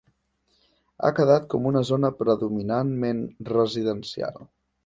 Ha quedat com una zona predominantment residencial.